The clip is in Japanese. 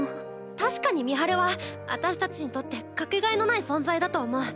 確かに美晴は私たちにとってかけがえのない存在だと思う。